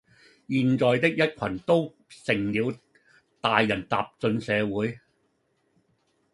現在的一群都成了大人踏進社會